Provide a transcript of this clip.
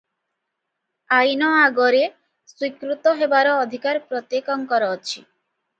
ଆଇନ ଆଗରେ ସ୍ୱୀକୃତ ହେବାର ଅଧିକାର ପ୍ରତ୍ୟେକଙ୍କର ଅଛି ।